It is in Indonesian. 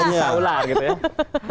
eh menghisap bisa ular gitu ya